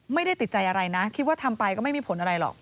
ไม่ได้ติดใจอะไรนะคิดว่าทำไปก็ไม่มีผลอะไรหรอก